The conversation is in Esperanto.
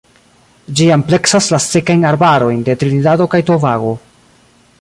Ĝi ampleksas la Sekajn arbarojn de Trinidado kaj Tobago.